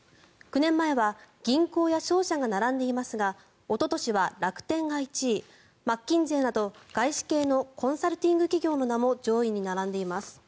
９年前は銀行や商社が並んでいますがおととしは楽天が１位マッキンゼーなど外資系のコンサルティング企業の名も上位に並んでいます。